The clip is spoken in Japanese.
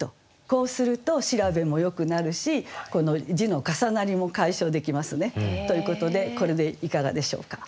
こうすると調べもよくなるしこの字の重なりも解消できますね。ということでこれでいかがでしょうか？